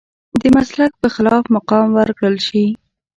د مسلک په خلاف مقام ورکړل شي.